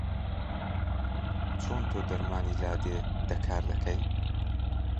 چۆن تۆ دەرمانی لادێ دە کار دەکەی؟